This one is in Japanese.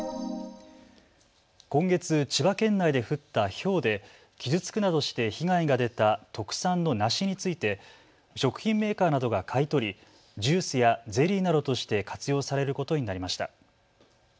今月、千葉県内で降ったひょうで傷つくなどして被害が出た特産の梨について食品メーカーなどが買い取りジュースやゼリーなどとして活用されることになりました。